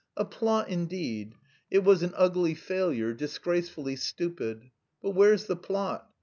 A plot, indeed! It was an ugly failure, disgracefully stupid. But where's the plot?